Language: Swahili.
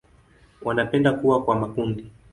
Wanapenda kuwa kwa makundi.